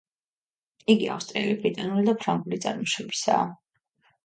იგი ავსტრიელი, ბრიტანული და ფრანგული წარმოშობისაა.